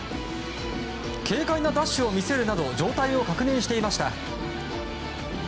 軽快なダッシュを見せるなど状態を確認していました。